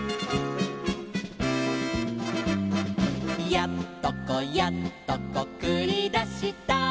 「やっとこやっとこくりだした」